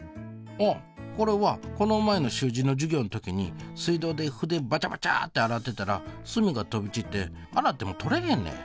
ああこれはこの前の習字の授業ん時に水道で筆バチャバチャって洗ってたらすみが飛び散って洗ってもとれへんねん。